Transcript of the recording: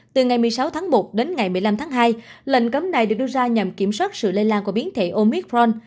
từ ngày một mươi sáu tháng một đến ngày một mươi năm tháng hai lệnh cấm này được đưa ra nhằm kiểm soát sự lây lan của biến thể omithron